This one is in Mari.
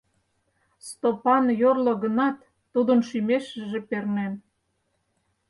Стопан йорло гынат, тудын шӱмешыже пернен.